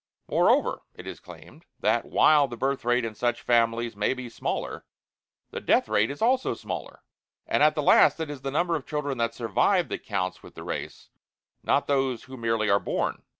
Moreover, it is claimed, that while the birth rate in such families may be smaller, THE DEATH RATE IS ALSO SMALLER. And, at the last, it is the number of children that SURVIVE that counts with the race, not those who merely are BORN.